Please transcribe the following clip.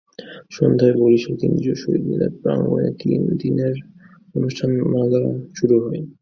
সন্ধ্যায় বরিশাল কেন্দ্রীয় শহীদ মিনার প্রাঙ্গণে তিন দিনের অনুষ্ঠানমালা শুরু হয়।